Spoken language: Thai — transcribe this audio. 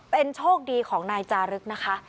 เป็นโชคดีของนายจารึกนะคะ